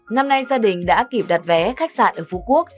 năm nay gia đình đã kịp đặt vé khách sạn ở phú quốc